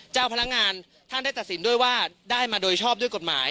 เจ้าพนักงานท่านได้ตัดสินด้วยว่าได้มาโดยชอบด้วยกฎหมาย